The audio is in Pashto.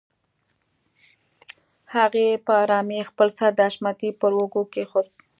هغې په آرامۍ خپل سر د حشمتي پر اوږه کېښوده.